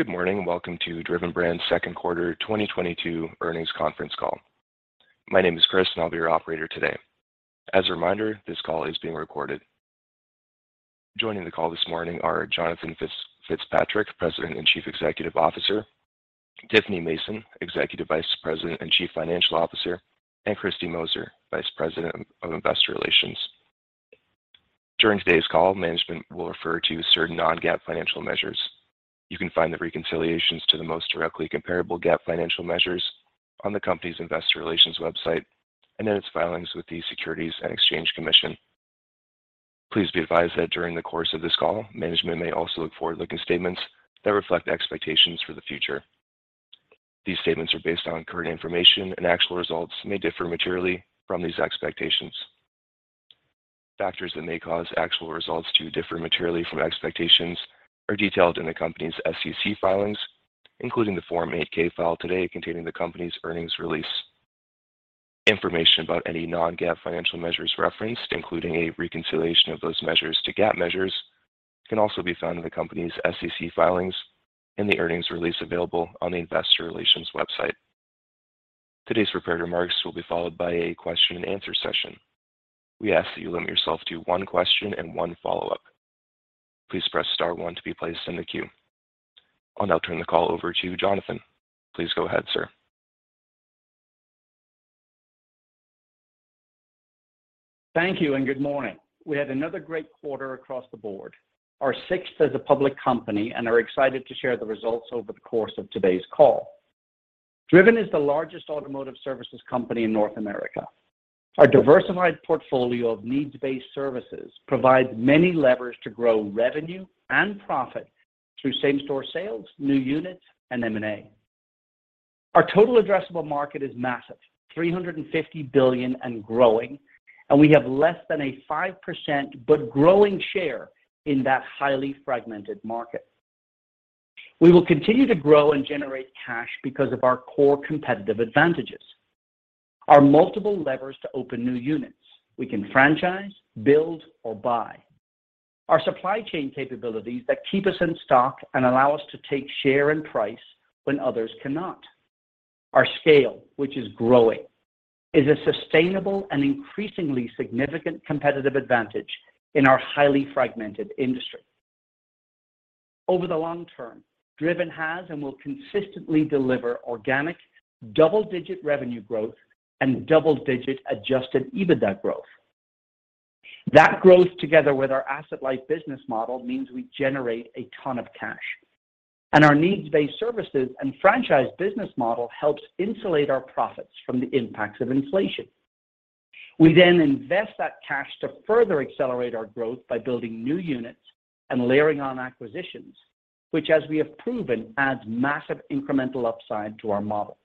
Good morning, and welcome to Driven Brands' Second Quarter 2022 Earnings Conference Call. My name is Chris, and I'll be your operator today. As a reminder, this call is being recorded. Joining the call this morning are Jonathan Fitzpatrick, President and Chief Executive Officer, Tiffany Mason, Executive Vice President and Chief Financial Officer, and Kristy Moser, Vice President of Investor Relations. During today's call, management will refer to certain non-GAAP financial measures. You can find the reconciliations to the most directly comparable GAAP financial measures on the company's investor relations website and in its filings with the Securities and Exchange Commission. Please be advised that during the course of this call, management may also make forward-looking statements that reflect expectations for the future. These statements are based on current information, and actual results may differ materially from these expectations. Factors that may cause actual results to differ materially from expectations are detailed in the company's SEC filings, including the Form 8-K filed today containing the company's earnings release. Information about any non-GAAP financial measures referenced, including a reconciliation of those measures to GAAP measures, can also be found in the company's SEC filings and the earnings release available on the investor relations website. Today's prepared remarks will be followed by a question and answer session. We ask that you limit yourself to one question and one follow-up. Please press star one to be placed in the queue. I'll now turn the call over to Jonathan. Please go ahead, sir. Thank you and good morning. We had another great quarter across the board, our sixth as a public company, and are excited to share the results over the course of today's call. Driven is the largest automotive services company in North America. Our diversified portfolio of needs-based services provides many levers to grow revenue and profit through same-store sales, new units, and M&A. Our total addressable market is massive, $350 billion and growing, and we have less than a 5% but growing share in that highly fragmented market. We will continue to grow and generate cash because of our core competitive advantages. Our multiple levers to open new units. We can franchise, build, or buy. Our supply chain capabilities that keep us in stock and allow us to take share and price when others cannot. Our scale, which is growing, is a sustainable and increasingly significant competitive advantage in our highly fragmented industry. Over the long term, Driven has and will consistently deliver organic double-digit revenue growth and double-digit adjusted EBITDA growth. That growth, together with our asset-light business model, means we generate a ton of cash. Our needs-based services and franchise business model helps insulate our profits from the impacts of inflation. We invest that cash to further accelerate our growth by building new units and layering on acquisitions, which as we have proven, adds massive incremental upside to our model.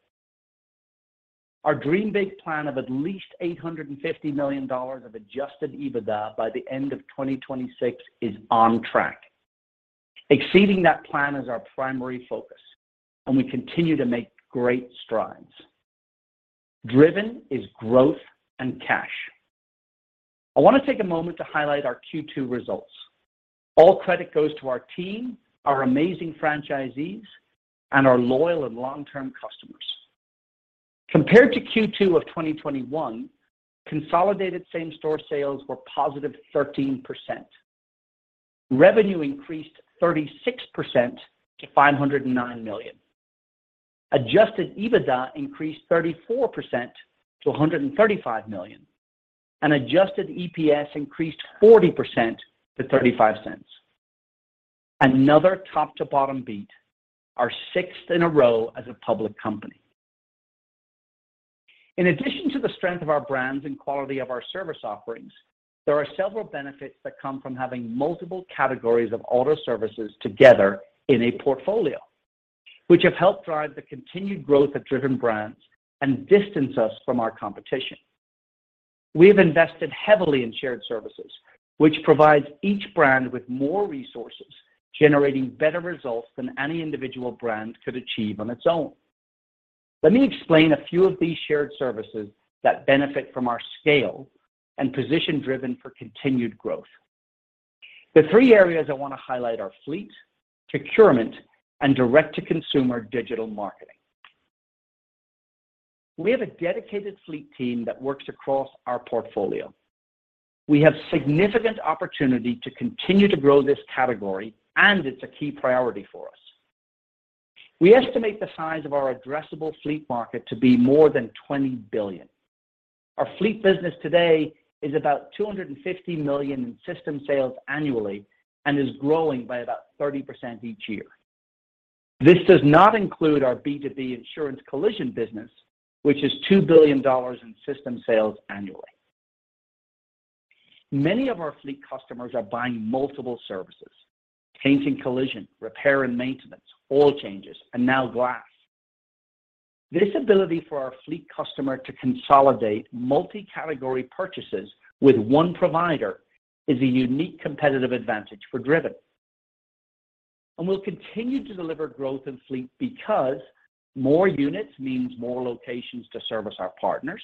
Our dream big plan of at least $850 million of adjusted EBITDA by the end of 2026 is on track. Exceeding that plan is our primary focus, and we continue to make great strides. Driven is growth and cash. I wanna take a moment to highlight our Q2 results. All credit goes to our team, our amazing franchisees, and our loyal and long-term customers. Compared to Q2 of 2021, consolidated same-store sales were positive 13%. Revenue increased 36% to $509 million. Adjusted EBITDA increased 34% to $135 million. Adjusted EPS increased 40% to $0.35. Another top to bottom beat, our sixth in a row as a public company. In addition to the strength of our brands and quality of our service offerings, there are several benefits that come from having multiple categories of auto services together in a portfolio, which have helped drive the continued growth of Driven Brands and distance us from our competition. We have invested heavily in shared services, which provides each brand with more resources, generating better results than any individual brand could achieve on its own. Let me explain a few of these shared services that benefit from our scale and position Driven Brands for continued growth. The three areas I wanna highlight are fleet, procurement, and direct-to-consumer digital marketing. We have a dedicated fleet team that works across our portfolio. We have significant opportunity to continue to grow this category, and it's a key priority for us. We estimate the size of our addressable fleet market to be more than $20 billion. Our fleet business today is about $250 million in system sales annually and is growing by about 30% each year. This does not include our B2B insurance collision business, which is $2 billion in system sales annually. Many of our fleet customers are buying multiple services, paint, collision, repair and maintenance, oil changes, and now Quick Lube. This ability for our fleet customer to consolidate multi-category purchases with one provider is a unique competitive advantage for Driven. We'll continue to deliver growth in fleet because more units means more locations to service our partners.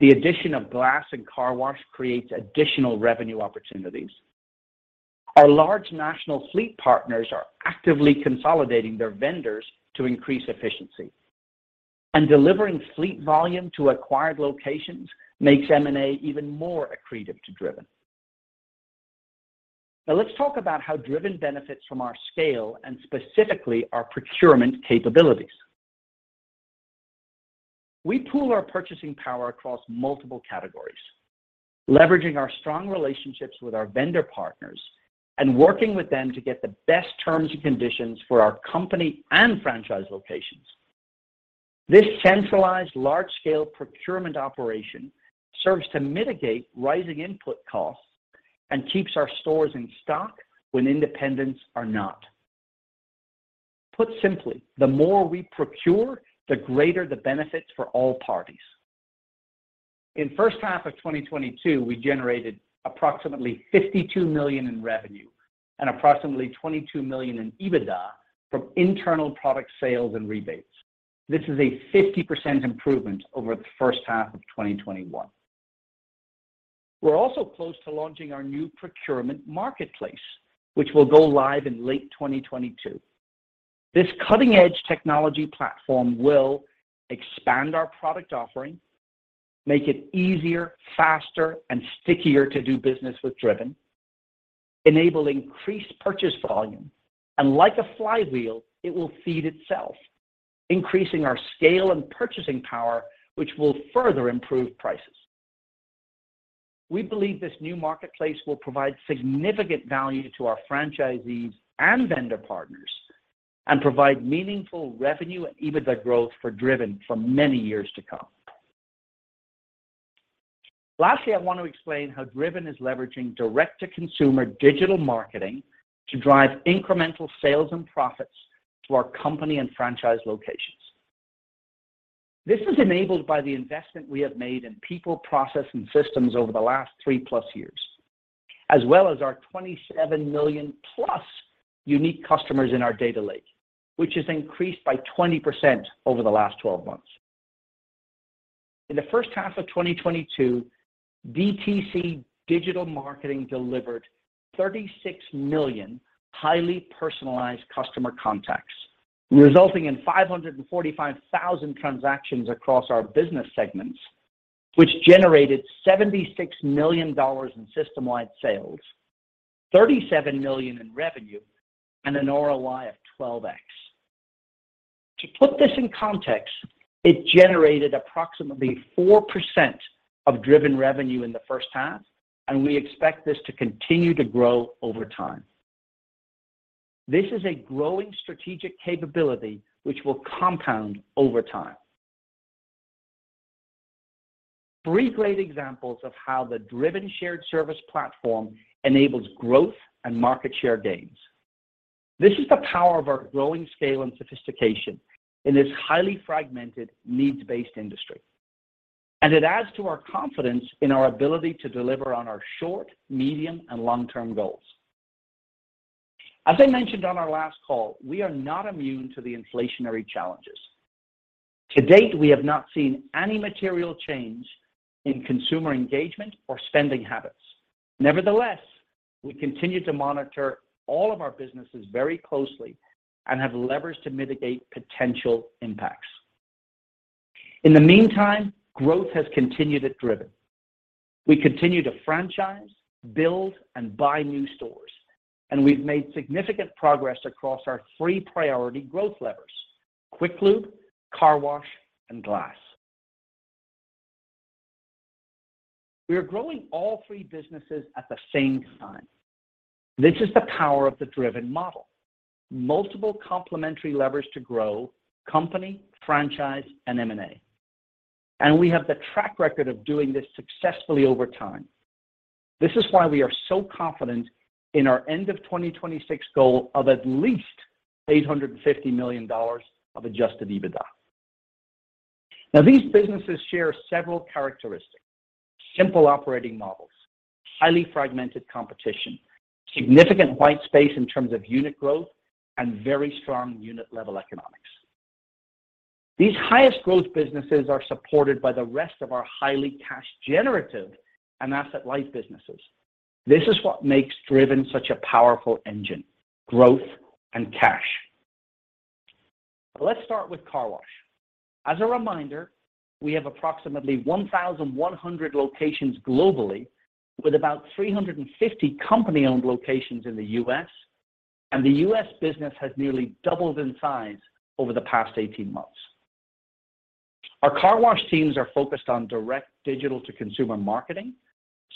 The addition of Glass and Car Wash creates additional revenue opportunities. Our large national fleet partners are actively consolidating their vendors to increase efficiency, and delivering fleet volume to acquired locations makes M&A even more accretive to Driven. Now let's talk about how Driven benefits from our scale and specifically our procurement capabilities. We pool our purchasing power across multiple categories, leveraging our strong relationships with our vendor partners, and working with them to get the best terms and conditions for our company and franchise locations. This centralized large-scale procurement operation serves to mitigate rising input costs and keeps our stores in stock when independents are not. Put simply, the more we procure, the greater the benefits for all parties. In first half of 2022, we generated approximately $52 million in revenue and approximately $22 million in EBITDA from internal product sales and rebates. This is a 50% improvement over the first half of 2021. We're also close to launching our new procurement marketplace, which will go live in late 2022. This cutting-edge technology platform will expand our product offering, make it easier, faster, and stickier to do business with Driven, enable increased purchase volume, and like a flywheel, it will feed itself, increasing our scale and purchasing power, which will further improve prices. We believe this new marketplace will provide significant value to our franchisees and vendor partners and provide meaningful revenue and EBITDA growth for Driven for many years to come. Lastly, I want to explain how Driven is leveraging direct-to-consumer digital marketing to drive incremental sales and profits to our company and franchise locations. This is enabled by the investment we have made in people, process, and systems over the last 3+ years, as well as our 27 million+ unique customers in our data lake, which has increased by 20% over the last twelve months. In the first half of 2022, DTC digital marketing delivered 36 million highly personalized customer contacts, resulting in 545,000 transactions across our business segments, which generated $76 million in system-wide sales, $37 million in revenue, and an ROI of 12x. To put this in context, it generated approximately 4% of Driven revenue in the first half, and we expect this to continue to grow over time. This is a growing strategic capability which will compound over time. Three great examples of how the Driven shared service platform enables growth and market share gains. This is the power of our growing scale and sophistication in this highly fragmented, needs-based industry, and it adds to our confidence in our ability to deliver on our short, medium, and long-term goals. As I mentioned on our last call, we are not immune to the inflationary challenges. To date, we have not seen any material change in consumer engagement or spending habits. Nevertheless, we continue to monitor all of our businesses very closely and have levers to mitigate potential impacts. In the meantime, growth has continued at Driven. We continue to franchise, build, and buy new stores, and we've made significant progress across our three priority growth levers, Quick Lube, Car Wash, and Glass. We are growing all three businesses at the same time. This is the power of the Driven model, multiple complementary levers to grow company, franchise, and M&A. We have the track record of doing this successfully over time. This is why we are so confident in our end of 2026 goal of at least $850 million of adjusted EBITDA. Now, these businesses share several characteristics, simple operating models, highly fragmented competition, significant white space in terms of unit growth, and very strong unit-level economics. These highest growth businesses are supported by the rest of our highly cash generative and asset-light businesses. This is what makes Driven such a powerful engine, growth and cash. Let's start with Car Wash. As a reminder, we have approximately 1,100 locations globally, with about 350 company-owned locations in the U.S., and the U.S. business has nearly doubled in size over the past 18 months. Our Car Wash teams are focused on direct-to-consumer marketing,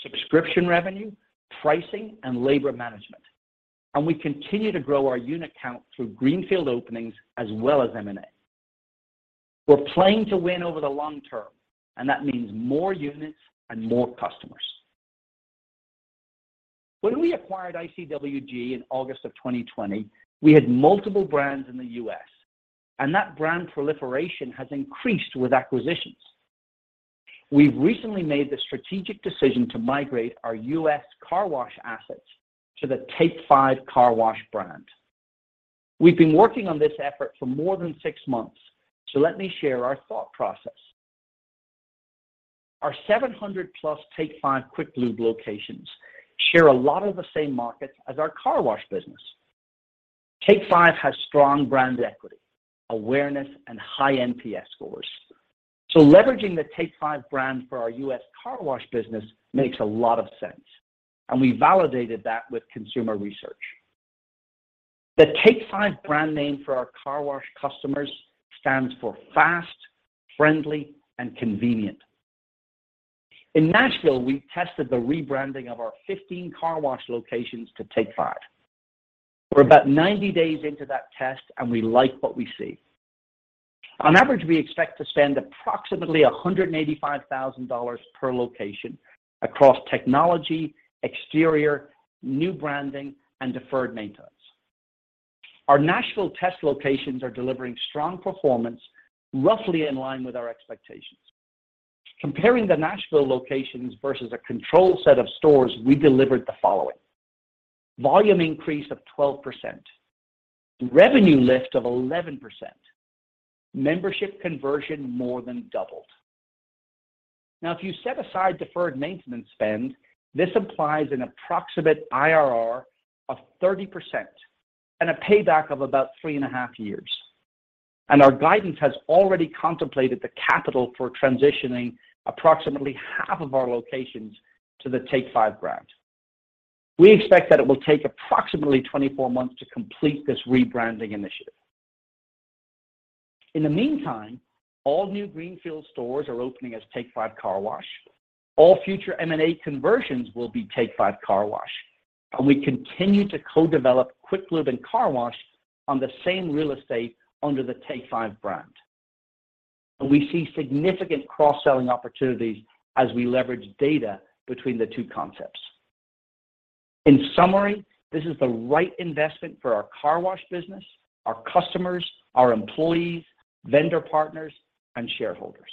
subscription revenue, pricing, and labor management, and we continue to grow our unit count through greenfield openings as well as M&A. We're playing to win over the long term, and that means more units and more customers. When we acquired ICWG in August of 2020, we had multiple brands in the U.S., and that brand proliferation has increased with acquisitions. We've recently made the strategic decision to migrate our U.S. Car Wash assets to the Take 5 Car Wash brand. We've been working on this effort for more than 6 months, so let me share our thought process. Our 700+ Take 5 Quick Lube locations share a lot of the same markets as our Car Wash business. Take 5 has strong brand equity, awareness, and high NPS scores. Leveraging the Take 5 brand for our U.S. Car Wash business makes a lot of sense, and we validated that with consumer research. The Take 5 brand name for our Car Wash customers stands for fast, friendly, and convenient. In Nashville, we tested the rebranding of our 15 Car Wash locations to Take 5. We're about 90 days into that test, and we like what we see. On average, we expect to spend approximately $185,000 per location across technology, exterior, new branding, and deferred maintenance. Our Nashville test locations are delivering strong performance, roughly in line with our expectations. Comparing the Nashville locations versus a control set of stores, we delivered the following volume increase of 12%, revenue lift of 11%, membership conversion more than doubled. Now, if you set aside deferred maintenance spend, this applies an approximate IRR of 30% and a payback of about three and a half years. Our guidance has already contemplated the capital for transitioning approximately half of our locations to the Take 5 brand. We expect that it will take approximately 24 months to complete this rebranding initiative. In the meantime, all new greenfield stores are opening as Take 5 Car Wash. All future M&A conversions will be Take 5 Car Wash. We continue to co-develop Quick Lube and Car Wash on the same real estate under the Take 5 brand. We see significant cross-selling opportunities as we leverage data between the two concepts. In summary, this is the right investment for our Car Wash business, our customers, our employees, vendor partners, and shareholders.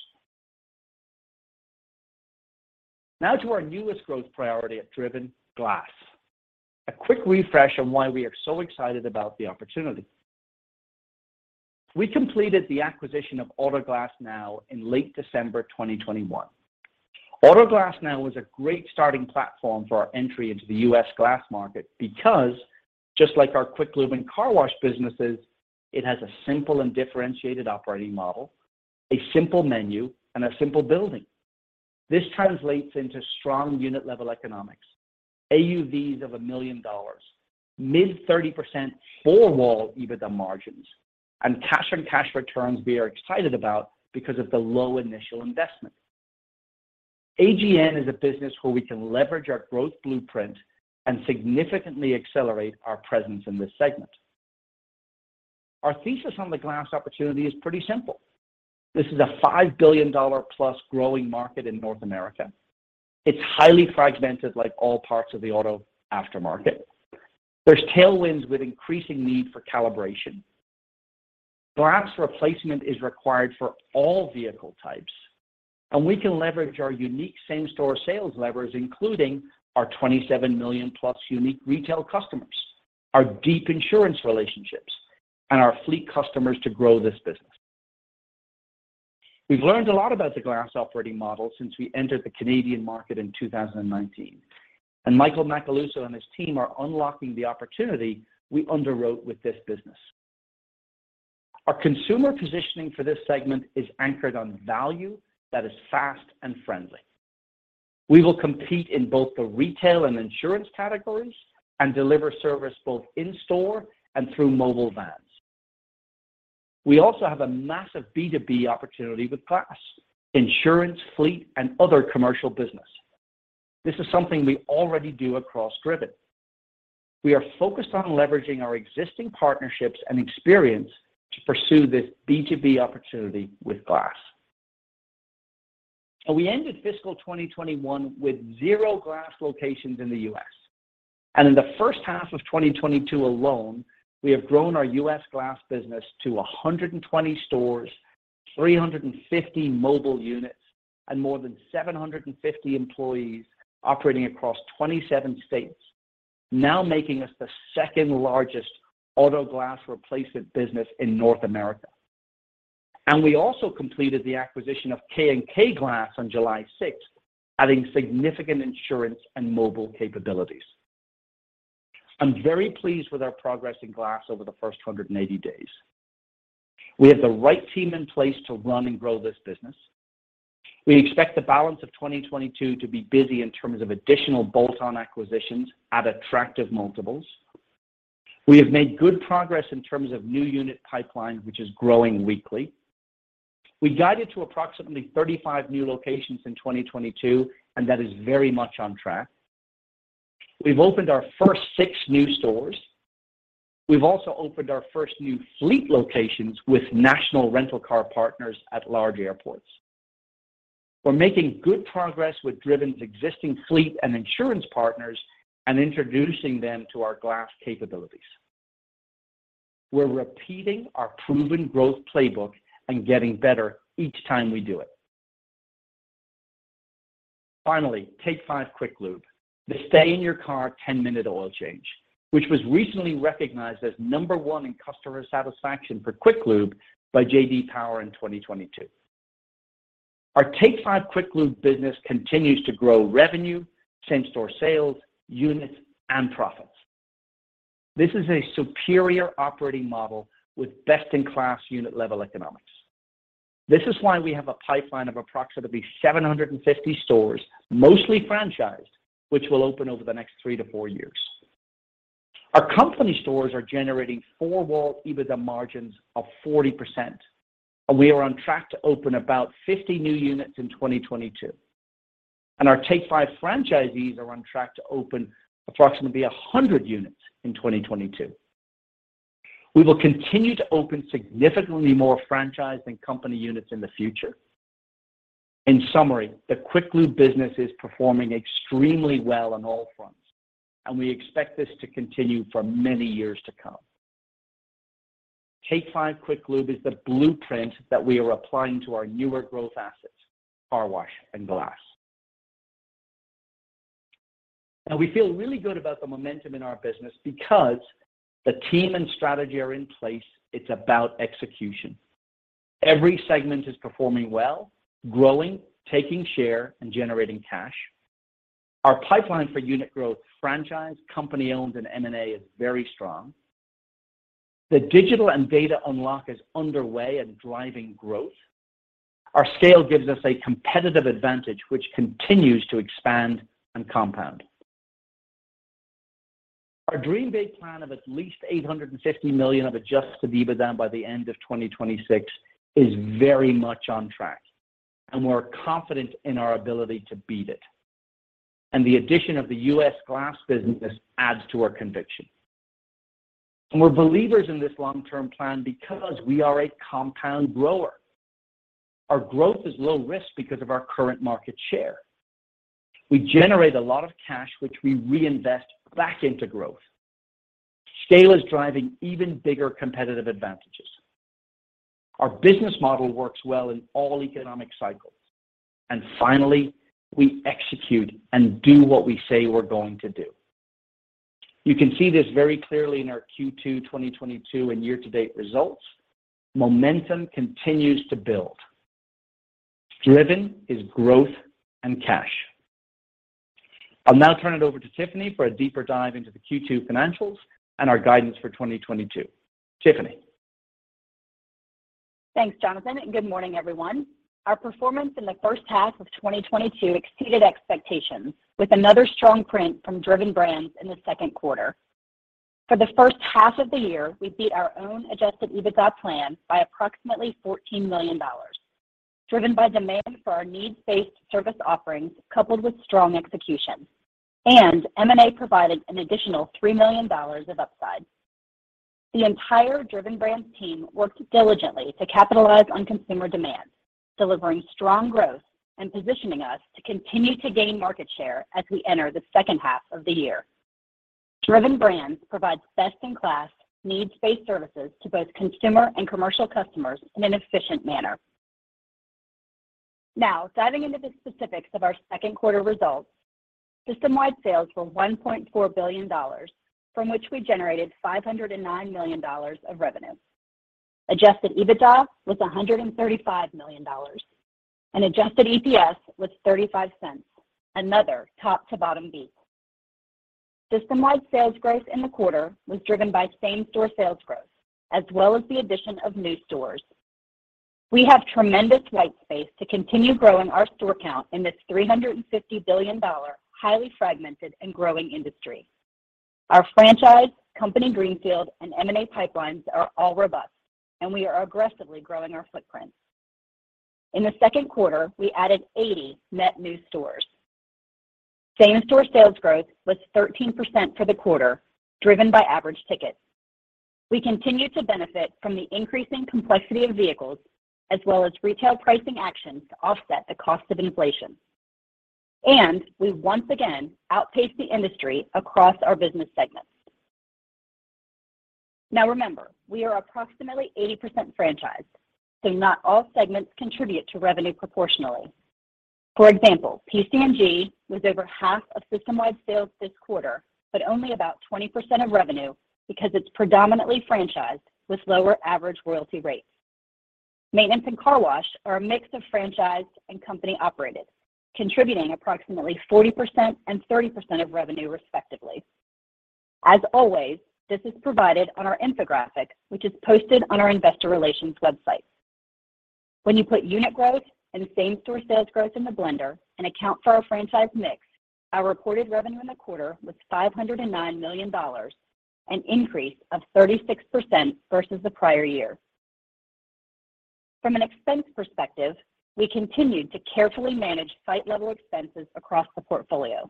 Now to our newest growth priority at Driven: Glass. A quick refresh on why we are so excited about the opportunity. We completed the acquisition of Auto Glass Now in late December 2021. Auto Glass Now is a great starting platform for our entry into the U.S. Glass market because just like our Quick Lube and Car Wash businesses, it has a simple and differentiated operating model, a simple menu, and a simple building. This translates into strong unit level economics, AUVs of $1 million, mid-30% four-wall EBITDA margins, and cash and cash returns we are excited about because of the low initial investment. AGN is a business where we can leverage our growth blueprint and significantly accelerate our presence in this segment. Our thesis on the Glass opportunity is pretty simple. This is a $5 billion plus growing market in North America. It's highly fragmented like all parts of the auto aftermarket. There's tailwinds with increasing need for calibration. Glass replacement is required for all vehicle types, and we can leverage our unique same-store sales levers, including our 27 million+ unique retail customers, our deep insurance relationships, and our fleet customers to grow this business. We've learned a lot about the Glass operating model since we entered the Canadian market in 2019, and Michael Macaluso and his team are unlocking the opportunity we underwrote with this business. Our consumer positioning for this segment is anchored on value that is fast and friendly. We will compete in both the retail and insurance categories and deliver service both in store and through mobile vans. We also have a massive B2B opportunity with Glass, insurance, fleet, and other commercial business. This is something we already do across Driven. We are focused on leveraging our existing partnerships and experience to pursue this B2B opportunity with Glass. We ended fiscal 2021 with zero Glass locations in the U.S. In the first half of 2022 alone, we have grown our U.S. Glass business to 120 stores, 350 mobile units, and more than 750 employees operating across 27 states, now making us the second-largest auto Glass replacement business in North America. We also completed the acquisition of K&K Glass on July 6th, adding significant insurance and mobile capabilities. I'm very pleased with our progress in Glass over the first 180 days. We have the right team in place to run and grow this business. We expect the balance of 2022 to be busy in terms of additional bolt-on acquisitions at attractive multiples. We have made good progress in terms of new unit pipeline, which is growing weekly. We guided to approximately 35 new locations in 2022, and that is very much on track. We've opened our first 6 new stores. We've also opened our first new fleet locations with national rental car partners at large airports. We're making good progress with Driven's existing fleet and insurance partners and introducing them to our Glass capabilities. We're repeating our proven growth playbook and getting better each time we do it. Finally, Take 5 Quick Lube, the stay in your car 10-minute oil change, which was recently recognized as number 1 in customer satisfaction for Quick Lube by JD Power in 2022. Our Take 5 Quick Lube business continues to grow revenue, same-store sales, units, and profits. This is a superior operating model with best-in-class unit level economics. This is why we have a pipeline of approximately 750 stores, mostly franchised, which will open over the next three to four years. Our company stores are generating four-wall EBITDA margins of 40%, and we are on track to open about 50 new units in 2022. Our Take 5 franchisees are on track to open approximately 100 units in 2022. We will continue to open significantly more franchise than company units in the future. In summary, the Quick Lube business is performing extremely well on all fronts, and we expect this to continue for many years to come. Take 5 Quick Lube is the blueprint that we are applying to our newer growth assets, car wash and Glass. We feel really good about the momentum in our business because the team and strategy are in place. It's about execution. Every segment is performing well, growing, taking share, and generating cash. Our pipeline for unit growth, franchise, company-owned, and M&A is very strong. The digital and data unlock is underway and driving growth. Our scale gives us a competitive advantage, which continues to expand and compound. Our dream big plan of at least $850 million of adjusted EBITDA by the end of 2026 is very much on track, and we're confident in our ability to beat it. The addition of the U.S. Glass business adds to our conviction. We're believers in this long-term plan because we are a compound grower. Our growth is low risk because of our current market share. We generate a lot of cash, which we reinvest back into growth. Scale is driving even bigger competitive advantages. Our business model works well in all economic cycles. Finally, we execute and do what we say we're going to do. You can see this very clearly in our Q2 2022 and year-to-date results. Momentum continues to build. Driven is growth and cash. I'll now turn it over to Tiffany for a deeper dive into the Q2 financials and our guidance for 2022. Tiffany. Thanks, Jonathan, and good morning, everyone. Our performance in the first half of 2022 exceeded expectations with another strong print from Driven Brands in the second quarter. For the first half of the year, we beat our own adjusted EBITDA plan by approximately $14 million, driven by demand for our needs-based service offerings coupled with strong execution. M&A provided an additional $3 million of upside. The entire Driven Brands team worked diligently to capitalize on consumer demand, delivering strong growth and positioning us to continue to gain market share as we enter the second half of the year. Driven Brands provides best-in-class, needs-based services to both consumer and commercial customers in an efficient manner. Now, diving into the specifics of our second quarter results, system-wide sales were $1.4 billion, from which we generated $509 million of revenue. Adjusted EBITDA was $135 million, and adjusted EPS was $0.35, another top-to-bottom beat. System-wide sales growth in the quarter was driven by same-store sales growth, as well as the addition of new stores. We have tremendous white space to continue growing our store count in this $350 billion, highly fragmented and growing industry. Our franchise, company greenfield, and M&A pipelines are all robust, and we are aggressively growing our footprint. In the second quarter, we added 80 net new stores. Same-store sales growth was 13% for the quarter, driven by average tickets. We continue to benefit from the increasing complexity of vehicles, as well as retail pricing actions to offset the cost of inflation. We once again outpaced the industry across our business segments. Now remember, we are approximately 80% franchised, so not all segments contribute to revenue proportionally. For example, PCG was over half of system-wide sales this quarter, but only about 20% of revenue because it's predominantly franchised with lower average royalty rates. Maintenance and car wash are a mix of franchised and company-operated, contributing approximately 40% and 30% of revenue, respectively. As always, this is provided on our infographic, which is posted on our investor relations website. When you put unit growth and same-store sales growth in the blender and account for our franchise mix, our reported revenue in the quarter was $509 million, an increase of 36% versus the prior year. From an expense perspective, we continued to carefully manage site-level expenses across the portfolio.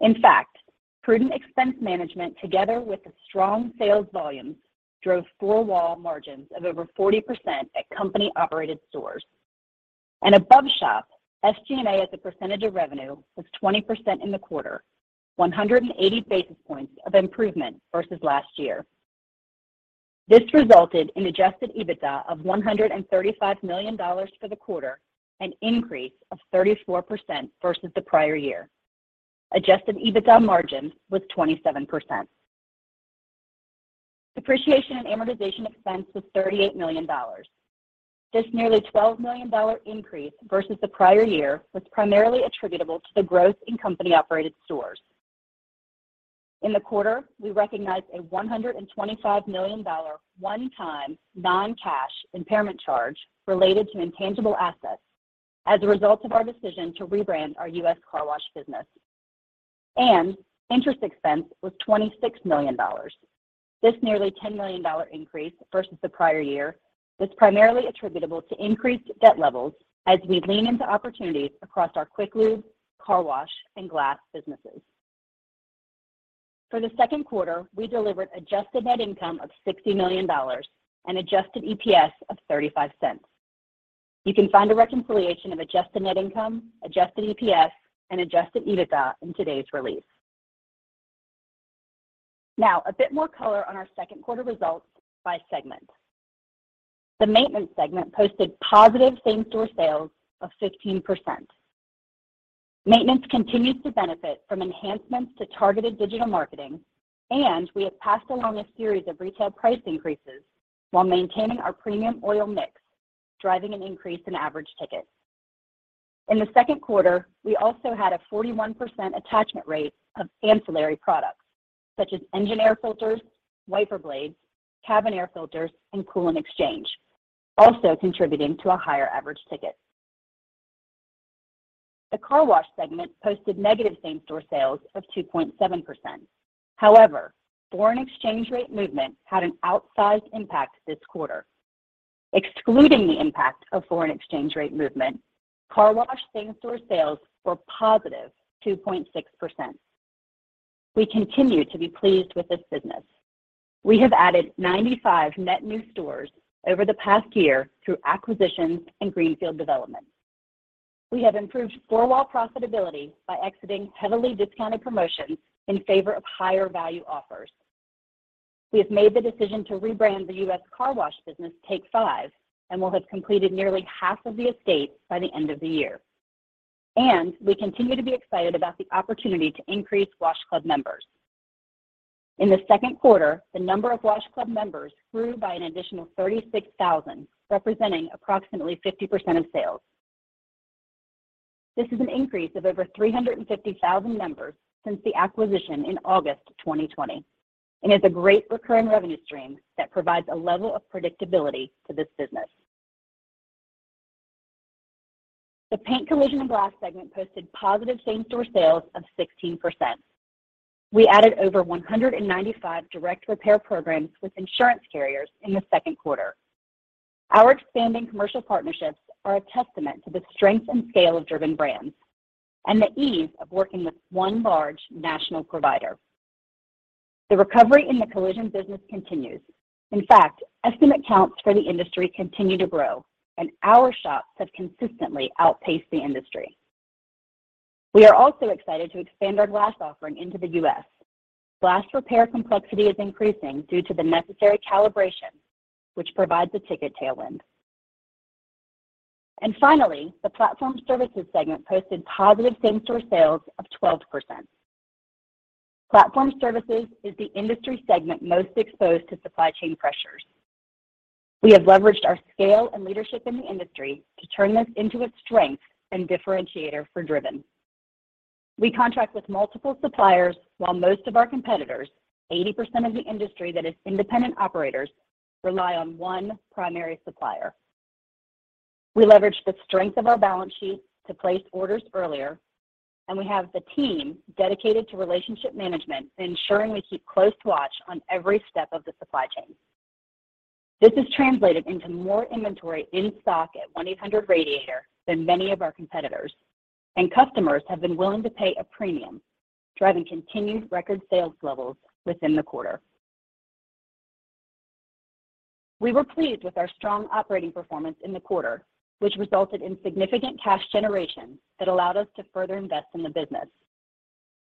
In fact, prudent expense management together with the strong sales volumes drove four-wall margins of over 40% at company-operated stores. Above shop, SG&A as a percentage of revenue was 20% in the quarter, 180 basis points of improvement versus last year. This resulted in adjusted EBITDA of $135 million for the quarter, an increase of 34% versus the prior year. Adjusted EBITDA margin was 27%. Depreciation and amortization expense was $38 million. This nearly $12 million increase versus the prior year was primarily attributable to the growth in company-operated stores. In the quarter, we recognized a $125 million one-time non-cash impairment charge related to intangible assets as a result of our decision to rebrand our U.S. Car Wash business. Interest expense was $26 million. This nearly $10 million increase versus the prior year was primarily attributable to increased debt levels as we lean into opportunities across our Quick Lube, Car Wash, and Glass businesses. For the second quarter, we delivered adjusted net income of $60 million and adjusted EPS of $0.35. You can find a reconciliation of adjusted net income, adjusted EPS, and adjusted EBITDA in today's release. Now, a bit more color on our second quarter results by segment. The maintenance segment posted positive same-store sales of 15%. Maintenance continues to benefit from enhancements to targeted digital marketing, and we have passed along a series of retail price increases while maintaining our premium oil mix, driving an increase in average ticket. In the second quarter, we also had a 41% attachment rate of ancillary products, such as engine air filters, wiper blades, cabin air filters, and coolant exchange, also contributing to a higher average ticket. The car wash segment posted negative same-store sales of 2.7%. However, foreign exchange rate movement had an outsized impact this quarter. Excluding the impact of foreign exchange rate movement, car wash same-store sales were positive 2.6%. We continue to be pleased with this business. We have added 95 net new stores over the past year through acquisitions and greenfield development. We have improved four-wall profitability by exiting heavily discounted promotions in favor of higher value offers. We have made the decision to rebrand the U.S. Car Wash business Take 5 and will have completed nearly half of the sites by the end of the year. We continue to be excited about the opportunity to increase Wash Club members. In the second quarter, the number of Wash Club members grew by an additional 36,000, representing approximately 50% of sales. This is an increase of over 350,000 members since the acquisition in August 2020 and is a great recurring revenue stream that provides a level of predictability to this business. The Paint, Collision, and Glass segment posted positive same-store sales of 16%. We added over 195 direct repair programs with insurance carriers in the second quarter. Our expanding commercial partnerships are a testament to the strength and scale of Driven Brands and the ease of working with one large national provider. The recovery in the collision business continues. In fact, estimate counts for the industry continue to grow, and our shops have consistently outpaced the industry. We are also excited to expand our Glass offering into the U.S. Glass repair complexity is increasing due to the necessary calibration, which provides a ticket tailwind. Finally, the platform services segment posted positive same-store sales of 12%. Platform services is the industry segment most exposed to supply chain pressures. We have leveraged our scale and leadership in the industry to turn this into a strength and differentiator for Driven. We contract with multiple suppliers, while most of our competitors, 80% of the industry that is independent operators, rely on one primary supplier. We leverage the strength of our balance sheet to place orders earlier, and we have the team dedicated to relationship management, ensuring we keep close watch on every step of the supply chain. This has translated into more inventory in stock at 1-800 Radiator than many of our competitors, and customers have been willing to pay a premium, driving continued record sales levels within the quarter. We were pleased with our strong operating performance in the quarter, which resulted in significant cash generation that allowed us to further invest in the business.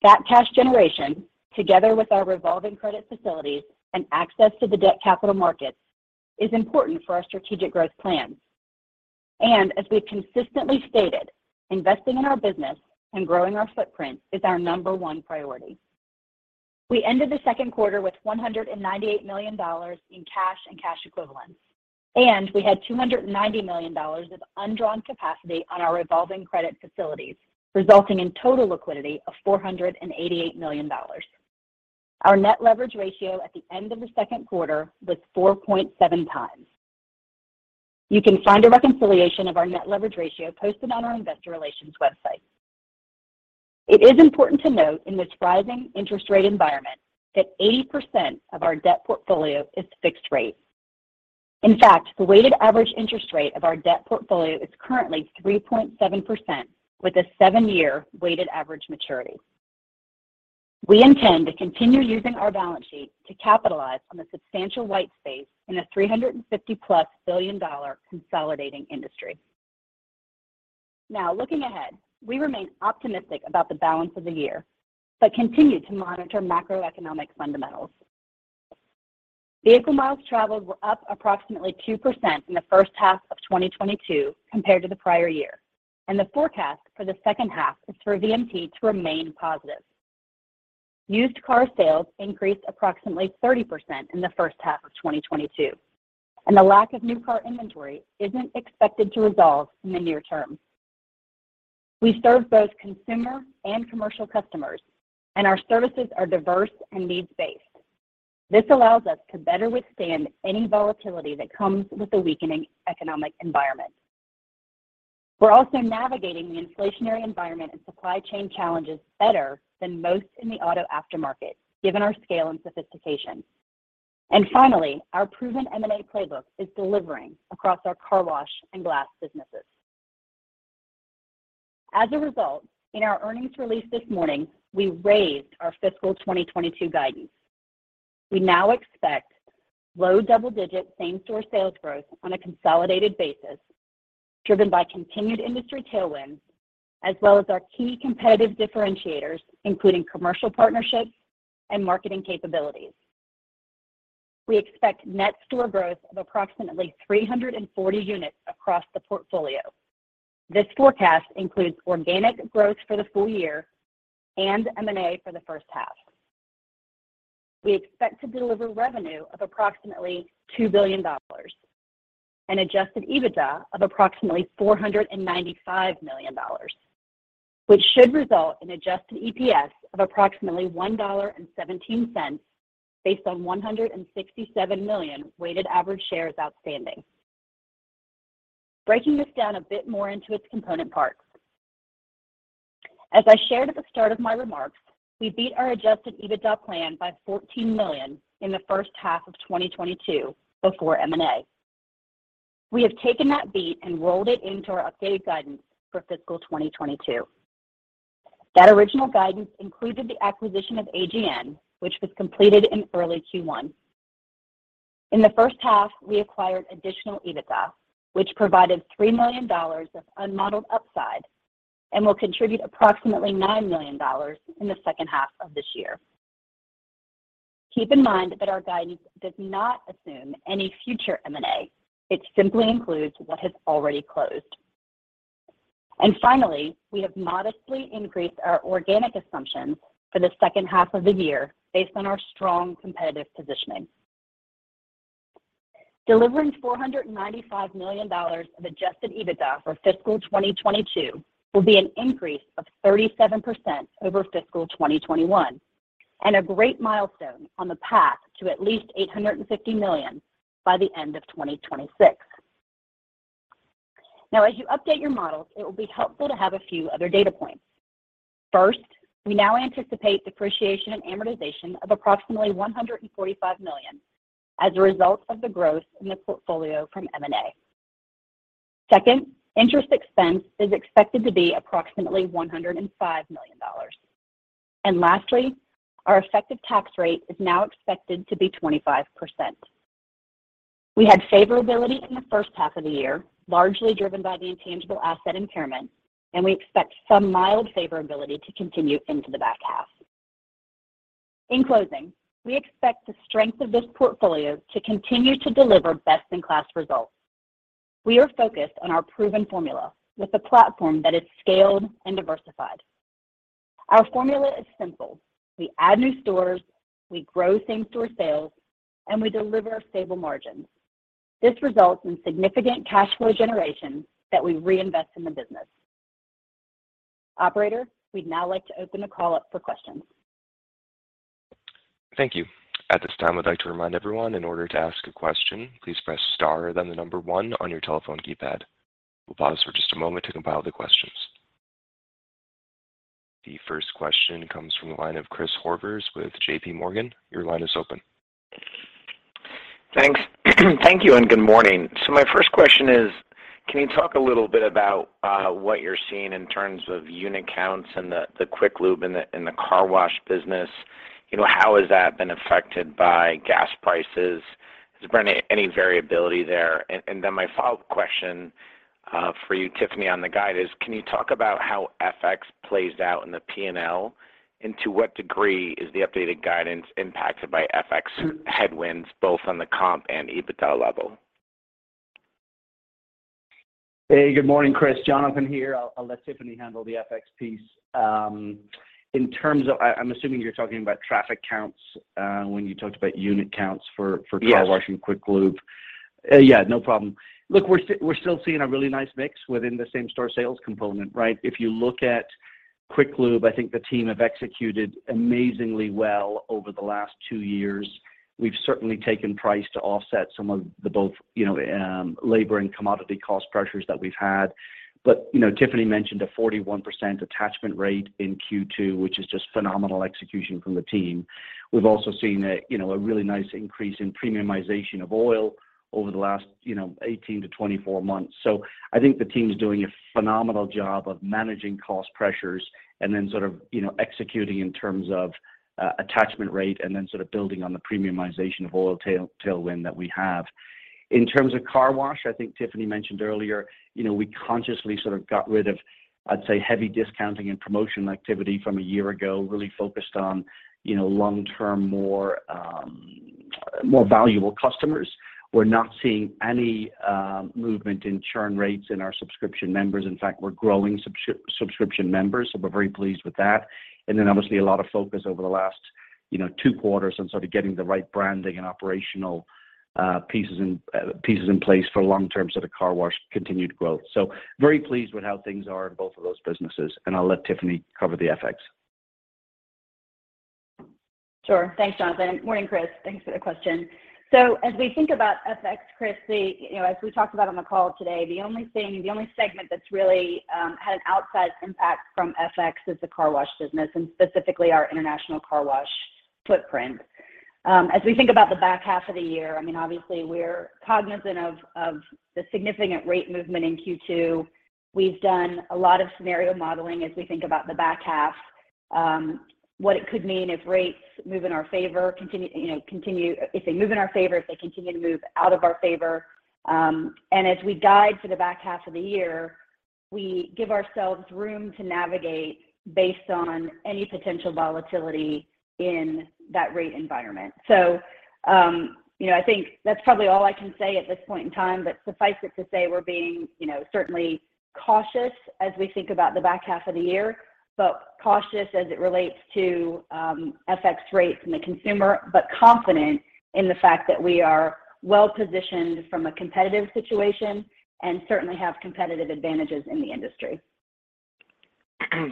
That cash generation, together with our revolving credit facilities and access to the debt capital markets, is important for our strategic growth plans. As we've consistently stated, investing in our business and growing our footprint is our number one priority. We ended the second quarter with $198 million in cash and cash equivalents, and we had $290 million of undrawn capacity on our revolving credit facilities, resulting in total liquidity of $488 million. Our net leverage ratio at the end of the second quarter was 4.7x. You can find a reconciliation of our net leverage ratio posted on our investor relations website. It is important to note in this rising interest rate environment that 80% of our debt portfolio is fixed rate. In fact, the weighted average interest rate of our debt portfolio is currently 3.7% with a seven-year weighted average maturity. We intend to continue using our balance sheet to capitalize on the substantial white space in a $350+ billion-dollar consolidating industry. Now looking ahead, we remain optimistic about the balance of the year, but continue to monitor macroeconomic fundamentals. Vehicle miles traveled were up approximately 2% in the first half of 2022 compared to the prior year, and the forecast for the second half is for VMT to remain positive. Used car sales increased approximately 30% in the first half of 2022, and the lack of new car inventory isn't expected to resolve in the near term. We serve both consumer and commercial customers, and our services are diverse and needs-based. This allows us to better withstand any volatility that comes with the weakening economic environment. We're also navigating the inflationary environment and supply chain challenges better than most in the auto aftermarket, given our scale and sophistication. Finally, our proven M&A playbook is delivering across our Car Wash and Glass businesses. As a result, in our earnings release this morning, we raised our fiscal 2022 guidance. We now expect low double-digit same-store sales growth on a consolidated basis, driven by continued industry tailwinds as well as our key competitive differentiators, including commercial partnerships and marketing capabilities. We expect net store growth of approximately 340 units across the portfolio. This forecast includes organic growth for the full year and M&A for the first half. We expect to deliver revenue of approximately $2 billion, an adjusted EBITDA of approximately $495 million, which should result in adjusted EPS of approximately $1.17 based on 167 million weighted average shares outstanding. Breaking this down a bit more into its component parts. As I shared at the start of my remarks, we beat our adjusted EBITDA plan by $14 million in the first half of 2022 before M&A. We have taken that beat and rolled it into our updated guidance for fiscal 2022. That original guidance included the acquisition of AGN, which was completed in early Q1. In the first half, we acquired additional EBITDA, which provided $3 million of unmodeled upside and will contribute approximately $9 million in the second half of this year. Keep in mind that our guidance does not assume any future M&A. It simply includes what has already closed. Finally, we have modestly increased our organic assumptions for the second half of the year based on our strong competitive positioning. Delivering $495 million of adjusted EBITDA for fiscal 2022 will be an increase of 37% over fiscal 2021 and a great milestone on the path to at least $850 million by the end of 2026. Now, as you update your models, it will be helpful to have a few other data points. First, we now anticipate depreciation and amortization of approximately $145 million as a result of the growth in the portfolio from M&A. Second, interest expense is expected to be approximately $105 million. Lastly, our effective tax rate is now expected to be 25%. We had favorability in the first half of the year, largely driven by the intangible asset impairment, and we expect some mild favorability to continue into the back half. In closing, we expect the strength of this portfolio to continue to deliver best-in-class results. We are focused on our proven formula with a platform that is scaled and diversified. Our formula is simple. We add new stores, we grow same-store sales, and we deliver stable margins. This results in significant cash flow generation that we reinvest in the business. Operator, we'd now like to open the call up for questions. Thank you. At this time, I'd like to remind everyone in order to ask a question, please press star, then the number one on your telephone keypad. We'll pause for just a moment to compile the questions. The first question comes from the line of Chris Horvers with JPMorgan. Your line is open. Thanks. Thank you, and good morning. My first question is, can you talk a little bit about what you're seeing in terms of unit counts and the Quick Lube in the Car Wash business? You know, how has that been affected by gas prices? Has there been any variability there? And then my follow-up question, for you, Tiffany, on the guide is, can you talk about how FX plays out in the P&L? And to what degree is the updated guidance impacted by FX headwinds, both on the comp and EBITDA level? Hey, good morning, Chris. Jonathan here. I'll let Tiffany handle the FX piece. In terms of, I'm assuming you're talking about traffic counts, when you talked about unit counts for Car Wash- Yes Quick lube. Yeah, no problem. Look, we're still seeing a really nice mix within the same store sales component, right? If you look at Quick Lube, I think the team have executed amazingly well over the last two years. We've certainly taken price to offset some of the both, you know, labor and commodity cost pressures that we've had. You know, Tiffany mentioned a 41% attachment rate in Q2, which is just phenomenal execution from the team. We've also seen a, you know, a really nice increase in premiumization of oil over the last, you know, 18-24 months. I think the team's doing a phenomenal job of managing cost pressures and then sort of, you know, executing in terms of attachment rate and then sort of building on the premiumization of oil tailwind that we have. In terms of Car Wash, I think Tiffany mentioned earlier, we consciously sort of got rid of, I'd say, heavy discounting and promotion activity from a year ago, really focused on long-term, more valuable customers. We're not seeing any movement in churn rates in our subscription members. In fact, we're growing subscription members, so we're very pleased with that. Obviously a lot of focus over the last two quarters and sort of getting the right branding and operational pieces in place for long-term sort of Car Wash continued growth. Very pleased with how things are in both of those businesses, and I'll let Tiffany cover the FX. Sure. Thanks, Jonathan. Morning, Chris. Thanks for the question. As we think about FX, Chris, you know, as we talked about on the call today, the only segment that's really had an outside impact from FX is the Car Wash business and specifically our international Car Wash footprint. As we think about the back half of the year, I mean, obviously we're cognizant of the significant rate movement in Q2. We've done a lot of scenario modeling as we think about the back half, what it could mean if rates move in our favor. If they move in our favor, if they continue to move out of our favor. As we guide for the back half of the year, we give ourselves room to navigate based on any potential volatility in that rate environment. You know, I think that's probably all I can say at this point in time. Suffice it to say we're being, you know, certainly cautious as we think about the back half of the year, but cautious as it relates to, FX rates and the consumer, but confident in the fact that we are well-positioned from a competitive situation and certainly have competitive advantages in the industry.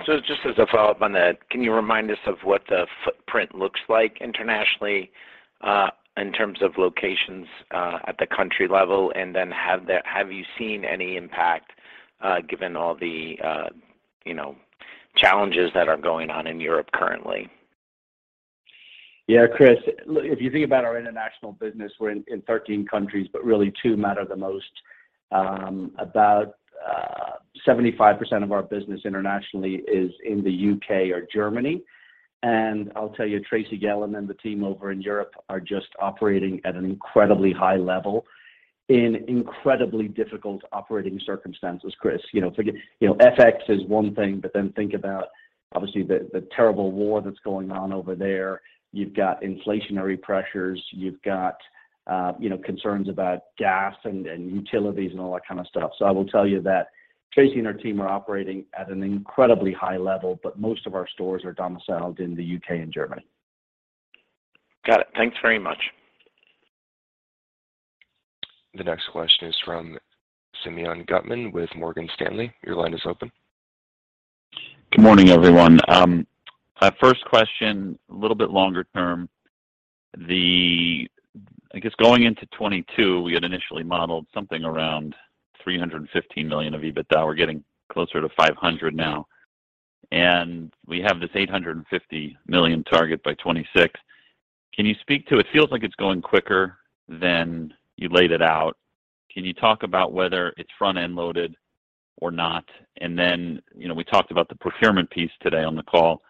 Just as a follow-up on that, can you remind us of what the footprint looks like internationally, in terms of locations, at the country level? Have you seen any impact, given all the, you know, challenges that are going on in Europe currently? Yeah, Chris, look, if you think about our international business, we're in 13 countries, but really two matter the most. About 75% of our business internationally is in the U.K. or Germany. I'll tell you, Tracy Gehlan and the team over in Europe are just operating at an incredibly high level in incredibly difficult operating circumstances, Chris. You know, FX is one thing, but then think about obviously the terrible war that's going on over there. You've got inflationary pressures, you've got concerns about gas and utilities and all that kind of stuff. I will tell you that Tracy and her team are operating at an incredibly high level, but most of our stores are domiciled in the U.K. and Germany. Got it. Thanks very much. The next question is from Simeon Gutman with Morgan Stanley. Your line is open. Good morning, everyone. My first question, a little bit longer term. I guess going into 2022, we had initially modeled something around $315 million of EBITDA. We're getting closer to $500 million now, and we have this $850 million target by 2026. Can you speak to it? It feels like it's going quicker than you laid it out. Can you talk about whether it's front-end loaded or not? Then, you know, we talked about the procurement piece today on the call.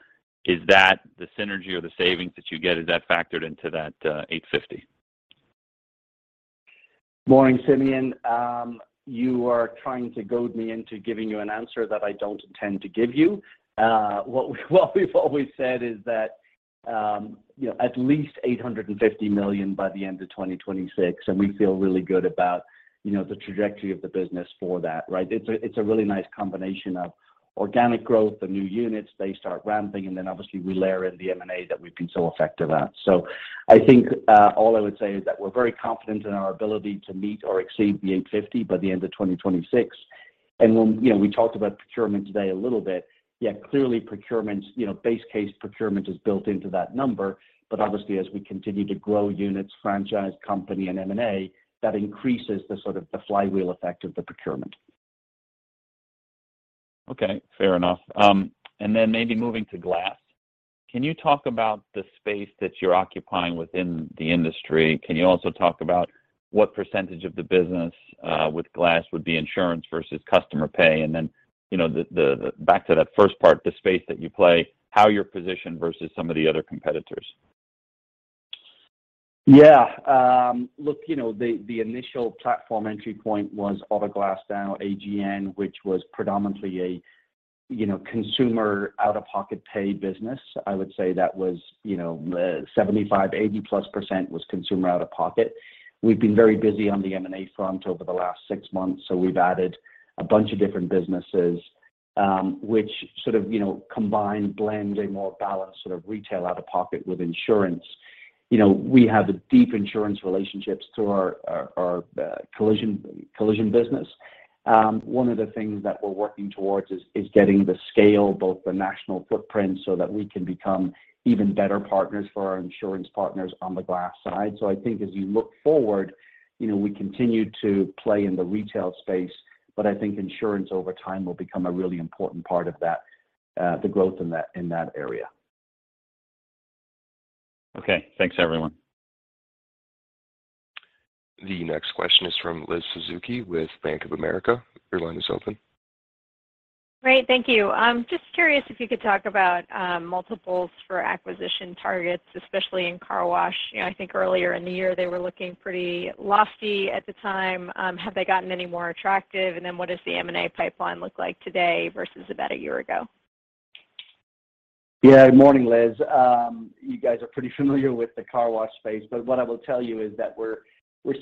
Is that the synergy or the savings that you get? Is that factored into that $850 million? Morning, Simeon. You are trying to goad me into giving you an answer that I don't intend to give you. What we've always said is that, you know, at least $850 million by the end of 2026, and we feel really good about, you know, the trajectory of the business for that, right? It's a really nice combination of organic growth. The new units, they start ramping, and then obviously we layer in the M&A that we've been so effective at. So I think, all I would say is that we're very confident in our ability to meet or exceed the $850 by the end of 2026. You know, we talked about procurement today a little bit. Yeah, clearly procurement, you know, base case procurement is built into that number. Obviously as we continue to grow units, franchise, company, and M&A, that increases the sort of flywheel effect of the procurement. Okay, fair enough. Maybe moving to Glass. Can you talk about the space that you're occupying within the industry? Can you also talk about what percentage of the business with Glass would be insurance versus customer pay? You know, back to that first part, the space that you play, how you're positioned versus some of the other competitors. Yeah. Look, you know, the initial platform entry point was Auto Glass Now, AGN, which was predominantly a, you know, consumer, out-of-pocket pay business. I would say that was, you know, 75%-80%+ was consumer out of pocket. We've been very busy on the M&A front over the last six months, so we've added a bunch of different businesses, which sort of, you know, combine, blend a more balanced sort of retail out of pocket with insurance. You know, we have deep insurance relationships through our collision business. One of the things that we're working towards is getting the scale, both the national footprint, so that we can become even better partners for our insurance partners on the Glass side. I think as you look forward, you know, we continue to play in the retail space. But I think insurance over time will become a really important part of that, the growth in that area. Okay. Thanks, everyone. The next question is from Liz Suzuki with Bank of America. Your line is open. Great. Thank you. I'm just curious if you could talk about, multiples for acquisition targets, especially in Car Wash. You know, I think earlier in the year they were looking pretty lofty at the time. Have they gotten any more attractive? What does the M&A pipeline look like today versus about a year ago? Yeah. Morning, Liz. You guys are pretty familiar with the Car Wash space, but what I will tell you is that we're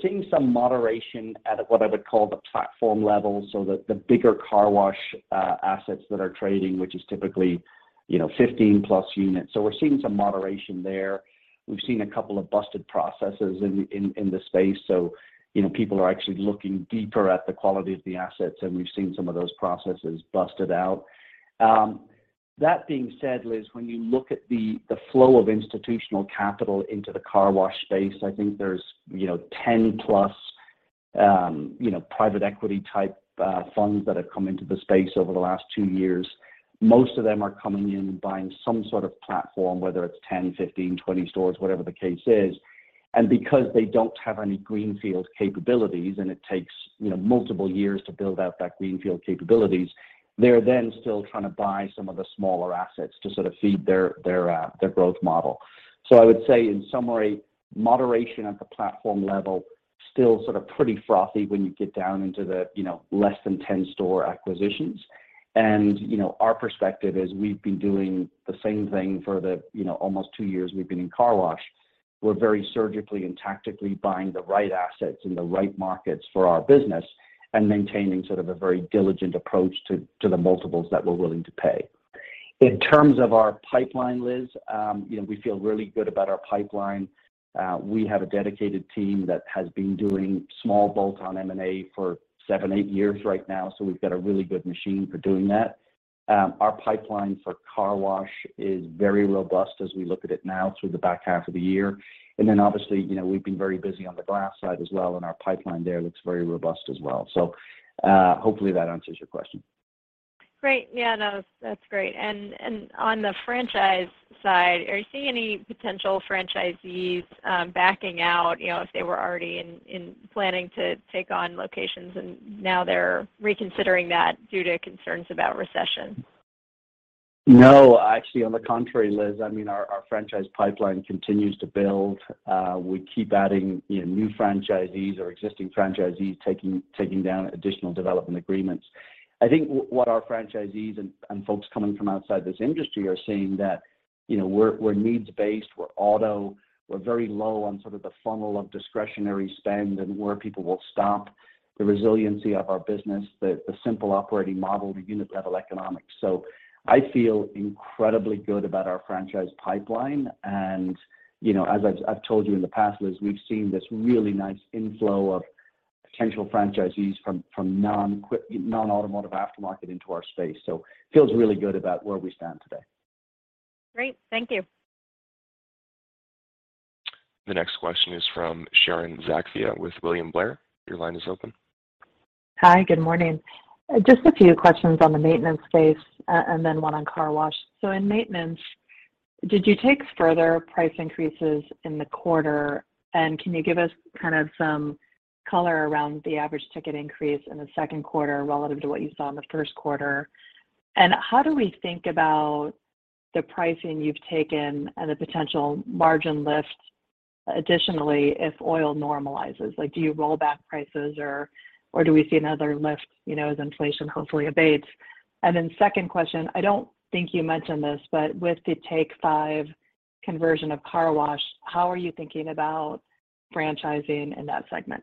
seeing some moderation at what I would call the platform level, so the bigger Car Wash assets that are trading, which is typically, you know, 15+ units. We're seeing some moderation there. We've seen a couple of busted processes in the space, so you know, people are actually looking deeper at the quality of the assets, and we've seen some of those processes busted out. That being said, Liz, when you look at the flow of institutional capital into the Car Washh space, I think there's, you know, 10+ private equity type funds that have come into the space over the last two years. Most of them are coming in and buying some sort of platform, whether it's 10, 15, 20 stores, whatever the case is. Because they don't have any greenfield capabilities, and it takes, you know, multiple years to build out that greenfield capabilities, they're then still trying to buy some of the smaller assets to sort of feed their growth model. I would say in summary, moderation at the platform level still sort of pretty frothy when you get down into the, you know, less than 10 store acquisitions. Our perspective is we've been doing the same thing for the, you know, almost two years we've been in car wash. We're very surgically and tactically buying the right assets in the right markets for our business and maintaining sort of a very diligent approach to the multiples that we're willing to pay. In terms of our pipeline, Liz, you know, we feel really good about our pipeline. We have a dedicated team that has been doing small bolt-on M&A for seven to eight years right now, so we've got a really good machine for doing that. Our pipeline for car wash is very robust as we look at it now through the back half of the year. Obviously, you know, we've been very busy on the Glass side as well, and our pipeline there looks very robust as well. Hopefully that answers your question. Great. Yeah, no, that's great. On the franchise side, are you seeing any potential franchisees backing out, you know, if they were already in planning to take on locations and now they're reconsidering that due to concerns about recession? No, actually on the contrary, Liz, I mean our franchise pipeline continues to build. We keep adding, you know, new franchisees or existing franchisees taking down additional development agreements. I think what our franchisees and folks coming from outside this industry are seeing that, you know, we're needs-based, we're auto, we're very low on sort of the funnel of discretionary spend and where people will stop the resiliency of our business, the simple operating model, the unit level economics. I feel incredibly good about our franchise pipeline, and you know, as I've told you in the past, Liz, we've seen this really nice inflow of potential franchisees from non-automotive aftermarket into our space. Feels really good about where we stand today. Great. Thank you. The next question is from Sharon Zackfia with William Blair. Your line is open. Hi. Good morning. Just a few questions on the maintenance space, and then one on Car Wash. In maintenance, did you take further price increases in the quarter? Can you give us kind of some color around the average ticket increase in the second quarter relative to what you saw in the first quarter? How do we think about the pricing you've taken and the potential margin lift additionally, if oil normalizes? Like, do you roll back prices or do we see another lift, you know, as inflation hopefully abates? Then second question, I don't think you mentioned this, but with the Take 5 conversion of Car Wash, how are you thinking about franchising in that segment?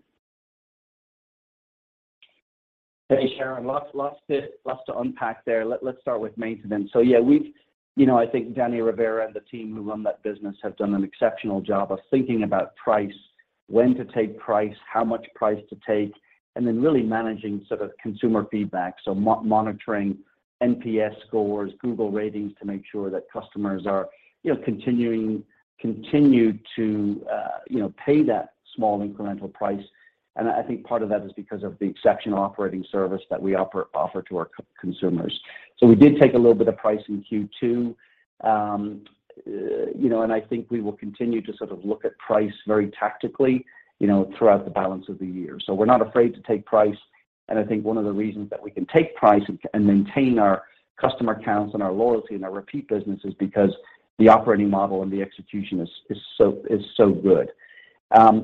Hey, Sharon. Lots to unpack there. Let's start with maintenance. You know, I think Danny Rivera and the team who run that business have done an exceptional job of thinking about price, when to take price, how much price to take, and then really managing sort of consumer feedback. Monitoring NPS scores, Google ratings to make sure that customers are, you know, continue to pay that small incremental price. I think part of that is because of the exceptional operating service that we offer to our consumers. We did take a little bit of price in Q2. You know, and I think we will continue to sort of look at price very tactically, you know, throughout the balance of the year. We're not afraid to take price, and I think one of the reasons that we can take price and maintain our customer counts and our loyalty and our repeat business is because the operating model and the execution is so good.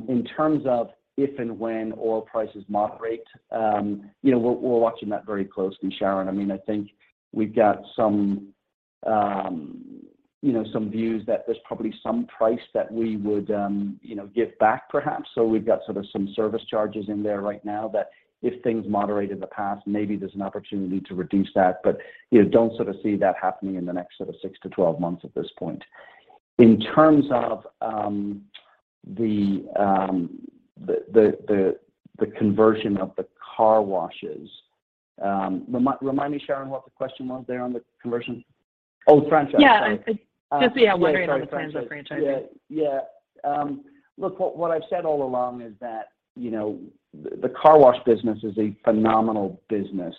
In terms of if and when oil prices moderate, you know, we're watching that very closely, Sharon. I mean, I think we've got some views that there's probably some price that we would give back perhaps. We've got sort of some service charges in there right now that if things moderate in the past, maybe there's an opportunity to reduce that. You know, don't sort of see that happening in the next sort of 6-12 months at this point. In terms of the conversion of the car washes, remind me, Sharon, what the question was there on the conversion? Oh, franchise. Yeah. I just, yeah, wondering on the franchise. Sorry. Franchise. Yeah. Look, what I've said all along is that, you know, the Car Wash business is a phenomenal business.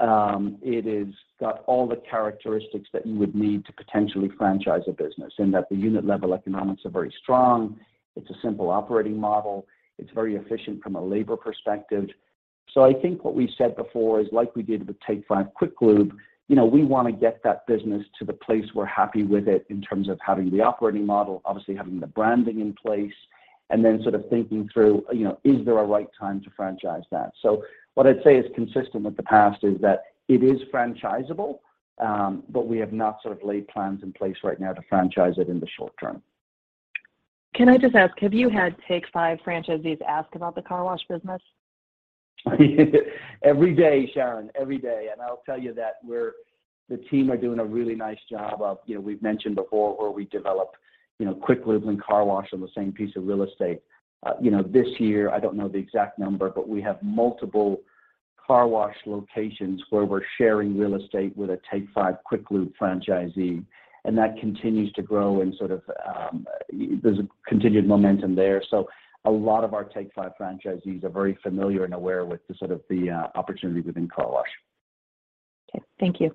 It has got all the characteristics that you would need to potentially franchise a business in that the unit level economics are very strong, it's a simple operating model, it's very efficient from a labor perspective. I think what we said before is like we did with Take 5 Quick Lube, you know, we wanna get that business to the place we're happy with it in terms of having the operating model, obviously having the branding in place, and then sort of thinking through, you know, is there a right time to franchise that? What I'd say is consistent with the past is that it is franchisable, but we have not sort of laid plans in place right now to franchise it in the short term. Can I just ask, have you had Take 5 franchisees ask about the Car Wash business? Every day, Sharon. I'll tell you that we're the team are doing a really nice job of, you know, we've mentioned before where we develop, you know, Quick Lube and Car Wash on the same piece of real estate. You know, this year, I don't know the exact number, but we have multiple Car Wash locations where we're sharing real estate with a Take 5 Quick Lube franchisee, and that continues to grow and sort of, there's a continued momentum there. A lot of our Take 5 franchisees are very familiar and aware with the sort of, the opportunity within Car Wash. Okay, thank you.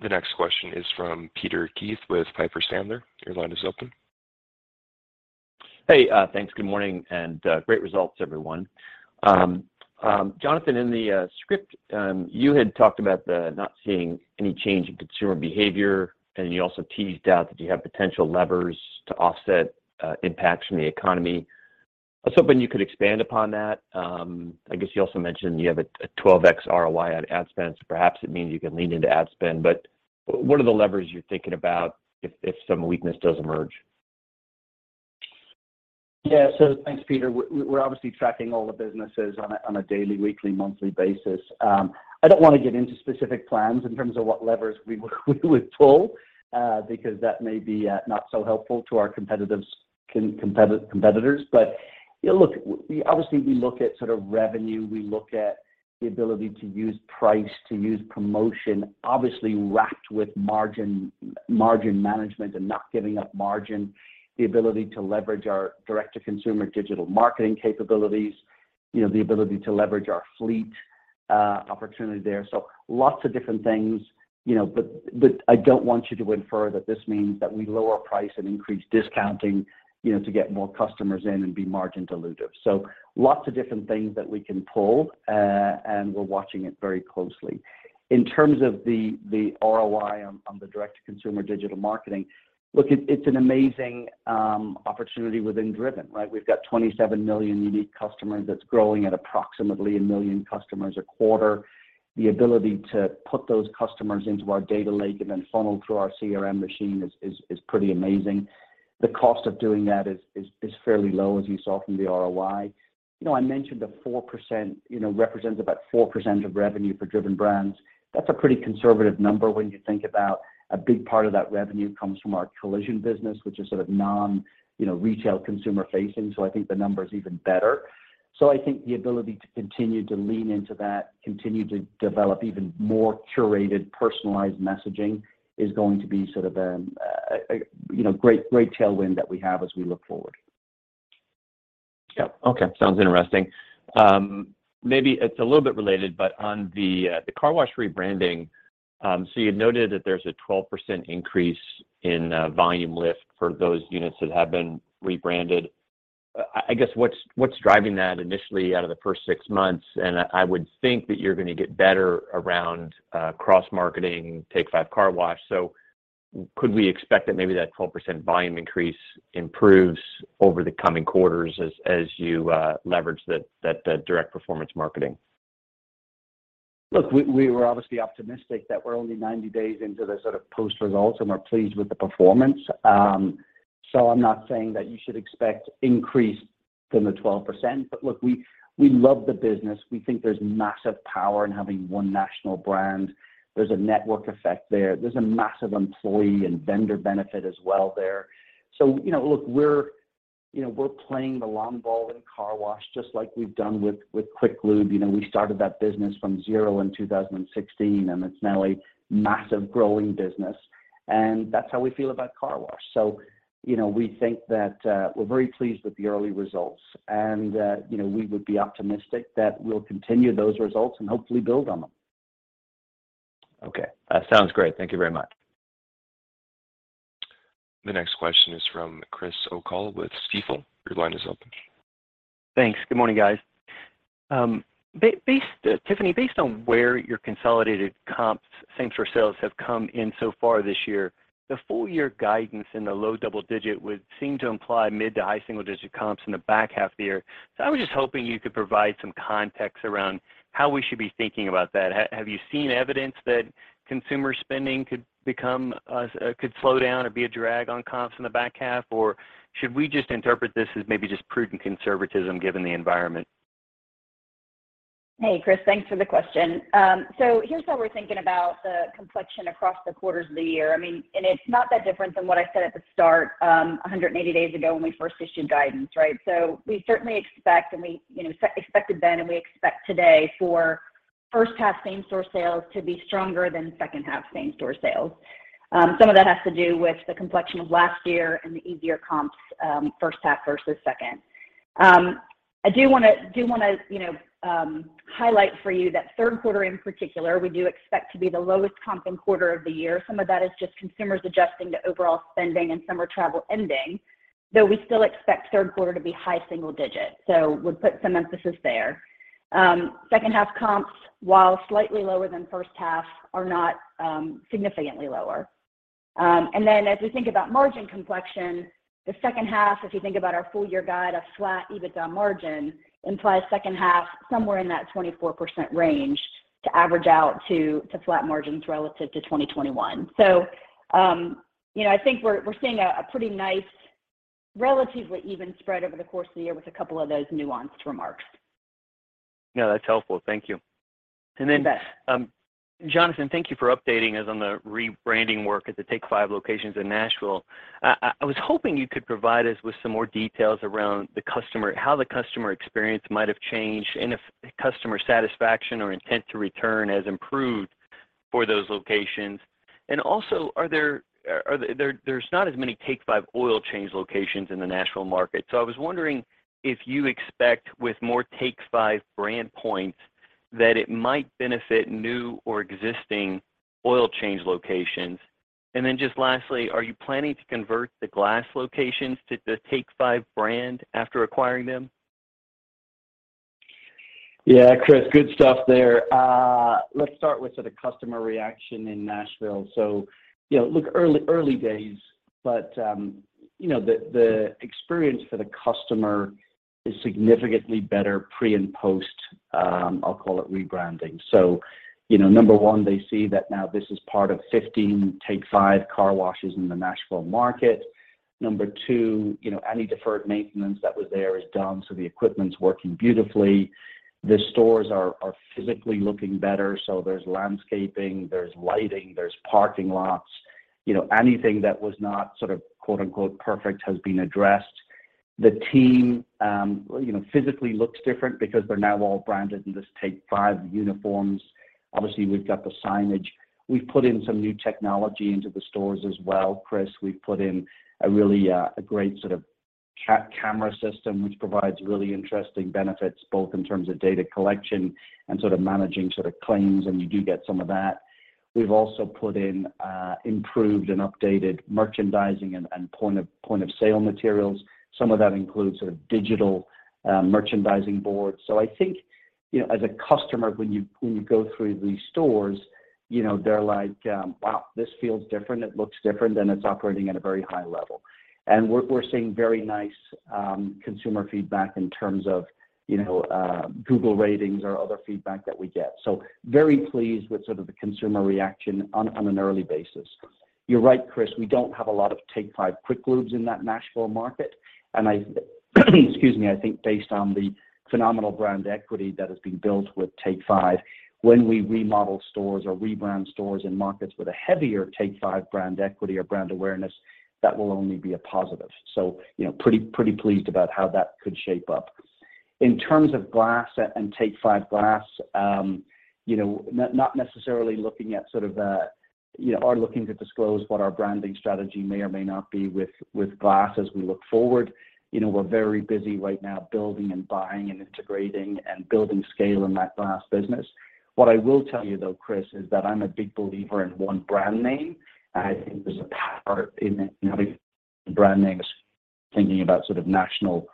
The next question is from Peter Keith with Piper Sandler. Your line is open. Hey, thanks. Good morning, and great results, everyone. Jonathan, in the script, you had talked about not seeing any change in consumer behavior, and you also teased out that you have potential levers to offset impacts from the economy. I was hoping you could expand upon that. I guess you also mentioned you have a 12x ROI on ad spend, so perhaps it means you can lean into ad spend. What are the levers you're thinking about if some weakness does emerge? Yeah. Thanks, Peter. We're obviously tracking all the businesses on a daily, weekly, monthly basis. I don't wanna get into specific plans in terms of what levers we would pull, because that may be not so helpful to our competitors. You know, look, we obviously look at sort of revenue, we look at the ability to use price, to use promotion, obviously wrapped with margin management and not giving up margin, the ability to leverage our direct to consumer digital marketing capabilities, you know, the ability to leverage our fleet opportunity there. Lots of different things, you know. I don't want you to infer that this means that we lower price and increase discounting, you know, to get more customers in and be margin dilutive. Lots of different things that we can pull, and we're watching it very closely. In terms of the ROI on the direct to consumer digital marketing, look, it's an amazing opportunity within Driven, right? We've got 27 million unique customers that's growing at approximately 1 million customers a quarter. The ability to put those customers into our data lake and then funnel through our CRM machine is pretty amazing. The cost of doing that is fairly low, as you saw from the ROI. You know, I mentioned the 4%, you know, represents about 4% of revenue for Driven Brands. That's a pretty conservative number when you think about a big part of that revenue comes from our collision business, which is sort of non, you know, retail consumer facing. I think the number's even better. I think the ability to continue to lean into that, continue to develop even more curated, personalized messaging is going to be sort of, you know, great tailwind that we have as we look forward. Yeah. Okay. Sounds interesting. Maybe it's a little bit related, but on the Car Wash rebranding, so you noted that there's a 12% increase in volume lift for those units that have been rebranded. I guess what's driving that initially out of the first six months? I would think that you're gonna get better around cross-marketing Take 5 Car Wash. Could we expect that maybe that 12% volume increase improves over the coming quarters as you leverage that direct performance marketing? Look, we were obviously optimistic that we're only 90 days into the sort of post results, and we're pleased with the performance. I'm not saying that you should expect increase from the 12%. Look, we love the business. We think there's massive power in having one national brand. There's a network effect there. There's a massive employee and vendor benefit as well there. You know, look, we're playing the long ball in Car Wash just like we've done with Quick Lube. You know, we started that business from zero in 2016, and it's now a massive growing business, and that's how we feel about Car Wash. You know, we think that we're very pleased with the early results and, you know, we would be optimistic that we'll continue those results and hopefully build on them. Okay. That sounds great. Thank you very much. The next question is from Chris O'Cull with Stifel. Your line is open. Thanks. Good morning, guys. Based, Tiffany, based on where your consolidated comps same-store sales have come in so far this year, the full year guidance in the low double digit would seem to imply mid to high single digit comps in the back half of the year. I was just hoping you could provide some context around how we should be thinking about that. Have you seen evidence that consumer spending could slow down or be a drag on comps in the back half? Or should we just interpret this as maybe just prudent conservatism given the environment? Hey, Chris, thanks for the question. So here's how we're thinking about the complexion across the quarters of the year. I mean, it's not that different than what I said at the start, 180 days ago when we first issued guidance, right? We certainly expect and we, you know, expected then, and we expect today for first half same-store sales to be stronger than second half same-store sales. Some of that has to do with the complexion of last year and the easier comps, first half versus second. I do wanna, do wanna, you know, highlight for you that third quarter in particular, we do expect to be the lowest comping quarter of the year. Some of that is just consumers adjusting to overall spending and summer travel ending, though we still expect third quarter to be high single digit. Would put some emphasis there. Second half comps, while slightly lower than first half, are not significantly lower. As we think about margin expansion, the second half, if you think about our full year guide, a flat EBITDA margin implies second half somewhere in that 24% range to average out to flat margins relative to 2021. You know, I think we're seeing a pretty nice relatively even spread over the course of the year with a couple of those nuanced remarks. No, that's helpful. Thank you. And then, Jonathan, thank you for updating us on the rebranding work at the Take 5 locations in Nashville. I was hoping you could provide us with some more details around the customer experience, how the customer experience might have changed, and if customer satisfaction or intent to return has improved for those locations. Also, there's not as many Take 5 Oil Change locations in the Nashville market, so I was wondering if you expect with more Take 5 brand points that it might benefit new or existing Oil Change locations. Just lastly, are you planning to convert the Glass locations to the Take 5 brand after acquiring them? Yeah, Chris, good stuff there. Let's start with sort of customer reaction in Nashville. You know, look, early days, but you know the experience for the customer is significantly better pre and post, I'll call it rebranding. You know, number one, they see that now this is part of 15 Take 5 Car Washes in the Nashville market. Number two, you know, any deferred maintenance that was there is done, so the equipment's working beautifully. The stores are physically looking better, so there's landscaping, there's lighting, there's parking lots. You know, anything that was not sort of quote unquote perfect has been addressed. The team, you know, physically looks different because they're now all branded in the Take 5 uniforms. Obviously, we've got the signage. We've put in some new technology into the stores as well, Chris. We've put in a really a great sort of camera system, which provides really interesting benefits both in terms of data collection and sort of managing sort of claims, and you do get some of that. We've also put in improved and updated merchandising and point of sale materials. Some of that includes sort of digital merchandising boards. I think, you know, as a customer, when you go through these stores, you know, they're like, "Wow, this feels different. It looks different, and it's operating at a very high level." We're seeing very nice consumer feedback in terms of, you know, Google ratings or other feedback that we get. Very pleased with sort of the consumer reaction on an early basis. You're right, Chris, we don't have a lot of Take 5 Quick Lubes in that Nashville market. Excuse me, I think based on the phenomenal brand equity that has been built with Take 5, when we remodel stores or rebrand stores in markets with a heavier Take 5 brand equity or brand awareness, that will only be a positive. You know, pretty pleased about how that could shape up. In terms of Glass and Take 5 Glass, you know, not necessarily looking to disclose what our branding strategy may or may not be with Glass as we look forward. You know, we're very busy right now building and buying and integrating and building scale in that Glass business. What I will tell you though, Chris, is that I'm a big believer in one brand name. I think there's a power in having brand names thinking about sort of national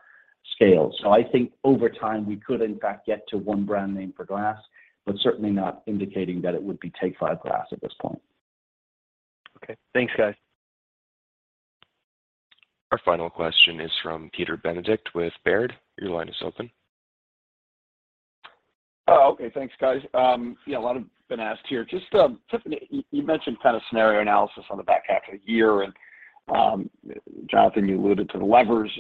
scale. I think over time, we could in fact get to one brand name for Glass, but certainly not indicating that it would be Take 5 Glass at this point. Okay. Thanks, guys. Our final question is from Peter Benedict with Baird. Your line is open. Oh, okay. Thanks, guys. Yeah, a lot have been asked here. Just, Tiffany, you mentioned kind of scenario analysis on the back half of the year and, Jonathan, you alluded to the levers.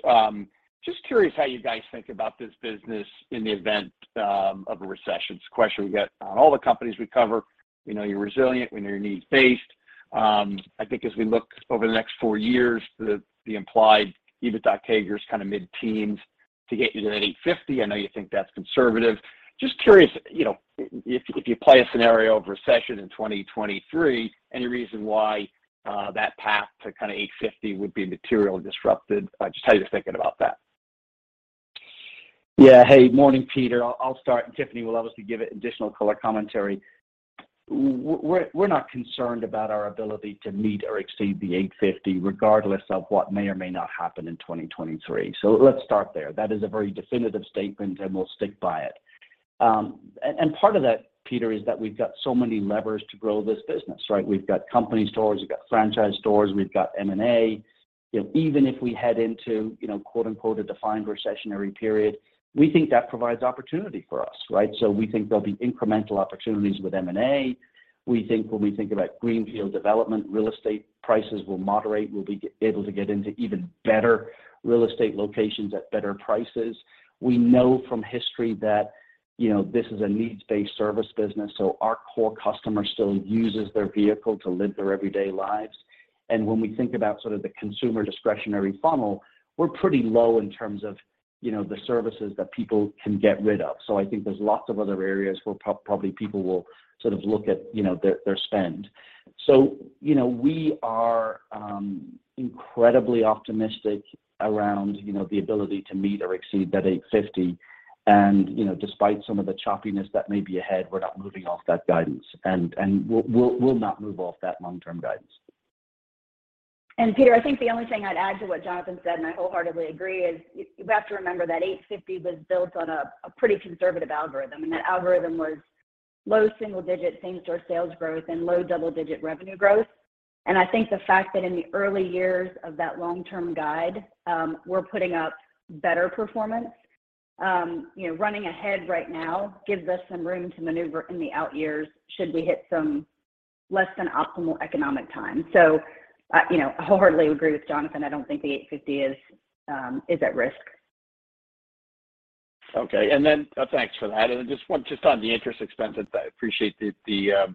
Just curious how you guys think about this business in the event of a recession. It's a question we get on all the companies we cover. We know you're resilient. We know you're needs-based. I think as we look over the next four years, the implied EBITDA CAGR is kind of mid-teens to get you to that $850. I know you think that's conservative. Just curious, you know, if you play a scenario of recession in 2023, any reason why that path to kind of $850 would be materially disrupted? Just how you're thinking about that. Yeah. Hey, morning, Peter. I'll start, and Tiffany will obviously give it additional color commentary. We're not concerned about our ability to meet or exceed the $850, regardless of what may or may not happen in 2023. Let's start there. That is a very definitive statement, and we'll stick by it. And part of that, Peter, is that we've got so many levers to grow this business, right? We've got company stores, we've got franchise stores, we've got M&A. You know, even if we head into, you know, quote unquote a defined recessionary period, we think that provides opportunity for us, right? We think there'll be incremental opportunities with M&A. We think when we think about greenfield development, real estate prices will moderate. We'll be able to get into even better real estate locations at better prices. We know from history that, you know, this is a needs-based service business, so our core customer still uses their vehicle to live their everyday lives. When we think about sort of the consumer discretionary funnel, we're pretty low in terms of, you know, the services that people can get rid of. I think there's lots of other areas where probably people will sort of look at, you know, their spend. You know, we are incredibly optimistic around, you know, the ability to meet or exceed that $850. You know, despite some of the choppiness that may be ahead, we're not moving off that guidance. We'll not move off that long-term guidance. Peter, I think the only thing I'd add to what Jonathan said, and I wholeheartedly agree, is you have to remember that $850 was built on a pretty conservative algorithm. That algorithm was low single-digit same-store sales growth and low double-digit revenue growth. I think the fact that in the early years of that long-term guide, we're putting up better performance, you know, running ahead right now gives us some room to maneuver in the out years should we hit some less-than-optimal economic times. So, you know, I wholeheartedly agree with Jonathan. I don't think the $850 is at risk. Okay. Thanks for that. Just on the interest expense, I appreciate the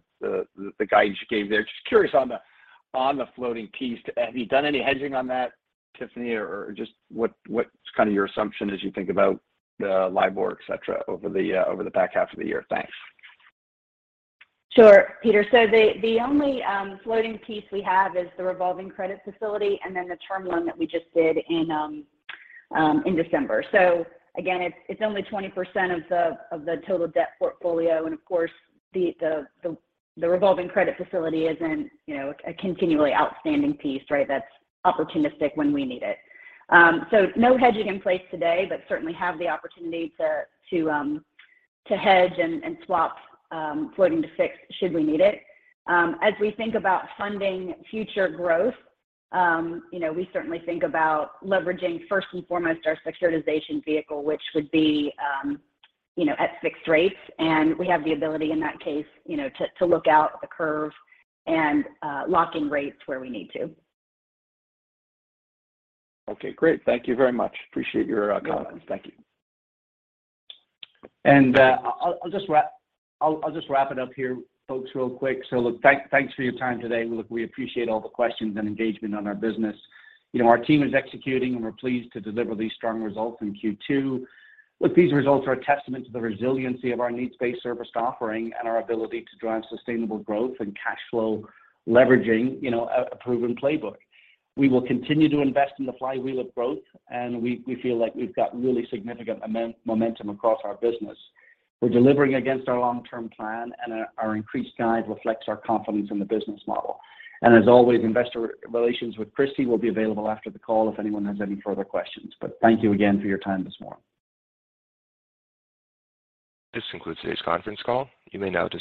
guidance you gave there. Just curious on the floating piece. Have you done any hedging on that, Tiffany? Or just what's kind of your assumption as you think about the LIBOR, et cetera, over the back half of the year? Thanks. Sure, Peter. The only floating piece we have is the revolving credit facility and then the term loan that we just did in December. Again, it's only 20% of the total debt portfolio. Of course, the revolving credit facility is a continually outstanding piece, right? That's opportunistic when we need it. No hedging in place today, but certainly have the opportunity to hedge and swap floating to fixed should we need it. As we think about funding future growth, we certainly think about leveraging first and foremost our securitization vehicle, which would be at fixed rates. We have the ability in that case, you know, to look out the curve and lock in rates where we need to. Okay. Great. Thank you very much. Appreciate your comments. Thank you. I'll just wrap it up here, folks, real quick. Look, thanks for your time today. Look, we appreciate all the questions and engagement on our business. You know, our team is executing, and we're pleased to deliver these strong results in Q2. Look, these results are a testament to the resiliency of our needs-based service offering and our ability to drive sustainable growth and cash flow leveraging, you know, a proven playbook. We will continue to invest in the flywheel of growth, and we feel like we've got really significant momentum across our business. We're delivering against our long-term plan, and our increased guide reflects our confidence in the business model. As always, investor relations with Kristy will be available after the call if anyone has any further questions. Thank you again for your time this morning. This concludes today's conference call. You may now disconnect.